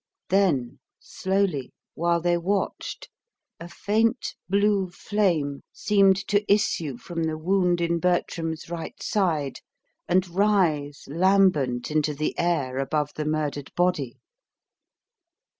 Then slowly, while they watched, a faint blue flame seemed to issue from the wound in Bertram's right side and rise lambent into the air above the murdered body.